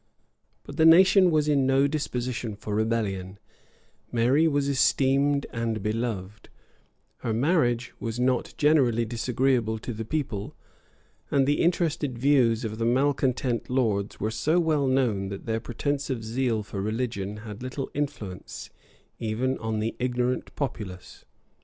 But the nation was in no disposition for rebellion: Mary was esteemed and beloved: her marriage was not generally disagreeable to the people: and the interested views of the malecontent lords were so well known, that their pretence of zeal for religion had little influence even on the ignorant populace.